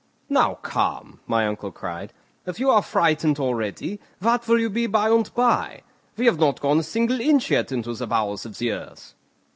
"Now come!" my uncle cried; "if you are frightened already, what will you be by and by? We have not gone a single inch yet into the bowels of the earth."